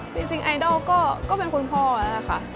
จริงไอดอลก็เป็นคุณพ่อแหละค่ะ